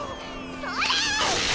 それ！